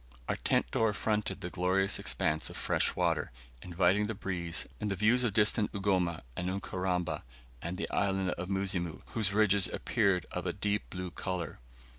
Our tent door fronted the glorious expanse of fresh water, inviting the breeze, and the views of distant Ugoma and Ukaramba, and the Island of Muzimu, whose ridges appeared of a deep blue colour.